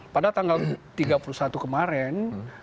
pada tanggal tiga puluh satu kemarin